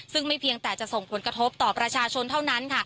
ซึ่งไม่เพียงแต่จะส่งผลกระทบต่อประชาชนเท่านั้นค่ะ